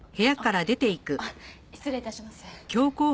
あっ失礼致します。